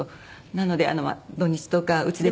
なので土日とかうちで。